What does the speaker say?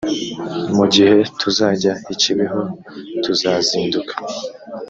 mu gihe tuzajya ikibeho tuzazinduka